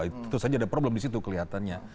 itu saja ada problem di situ kelihatannya